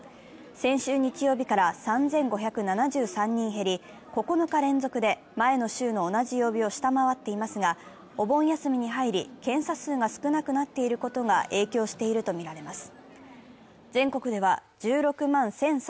先週日曜日から３５７３人減り、９日連続で前の週の同じ曜日を下回っていますが、お盆休みに入り検査数が少なくなっていることが影響しているとみられます。